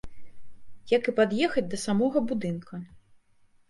Як і пад'ехаць да самога будынка.